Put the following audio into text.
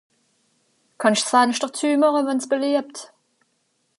Kann'sch s'Fenschter züemache wann's beliebt?